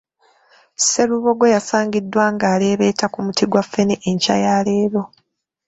Sserubogo yasangiddwa ng'aleebetera ku muti gwa ffene enkya ya leero.